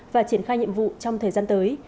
và triển khai nhiệm vụ trong thời gian tới